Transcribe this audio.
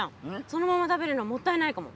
そのまま食べるのもったいないかも。